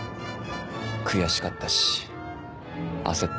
悔しかったし焦った。